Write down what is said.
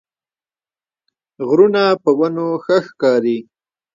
غرونه په ونو ښه ښکاري